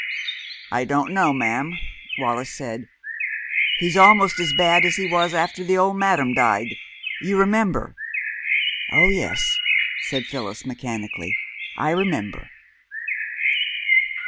"I don't know, ma'am," Wallis said. "He's almost as bad as he was after the old madam died you remember?" "Oh, yes," said Phyllis mechanically. "I remember."